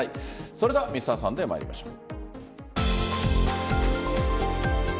それでは「Ｍｒ．サンデー」参りましょう。